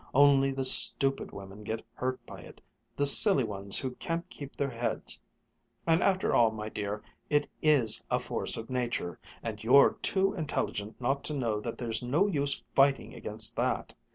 Only the stupid women get hurt by it the silly ones who can't keep their heads. And after all, my dear, it is a force of nature and you're too intelligent not to know that there's no use fighting against that.